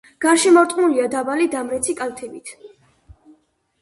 გარშემორტყმულია დაბალი დამრეცი კალთებით.